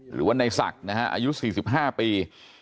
หรือว่าในศักดิ์นะฮะอายุสี่สิบห้าปี